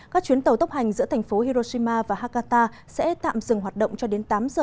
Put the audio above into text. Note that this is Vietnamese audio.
các chuyến tàu tốc hành giữa thành phố hiroshima và hakata sẽ tạm dừng hoạt động cho đến tám giờ